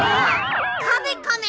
カメカメ！